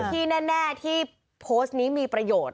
ที่แน่ที่โพสต์นี้มีประโยชน์